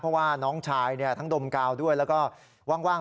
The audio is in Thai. เพราะว่าน้องชายทั้งดมกาวด้วยแล้วก็ว่าง